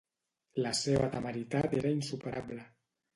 La seva temeritat era insuperable.